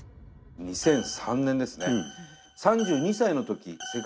２００３年ですね。